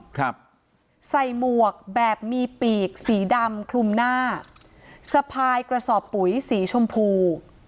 ครับใส่หมวกแบบมีปีกสีดำคลุมหน้าสะพายกระสอบปุ๋ยสีชมพู